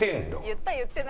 言った言ってない。